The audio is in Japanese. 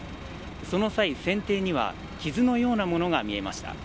その際、船底には傷のようなものが見えました。